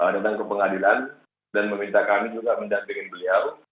tentang kepengadilan dan meminta kami juga mendampingi beliau